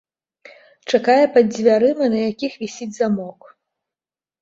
Чакае пад дзвярыма, на якіх вісіць замок.